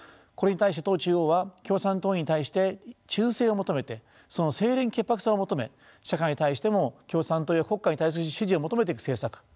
これに対して党中央は共産党員に対して忠誠を求めてその清廉潔白さを求め社会に対しても共産党や国家に対する支持を求めていく政策